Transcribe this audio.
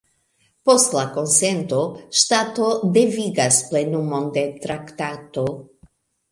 Post la konsento, ŝtato devigas plenumon de traktato.